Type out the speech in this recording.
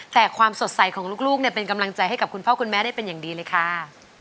แต่ความสดใสของลูกเนี่ยเป็นกำลังใจให้กับคุณพ่อคุณแม่ได้เป็นอย่างดีเลยค่ะ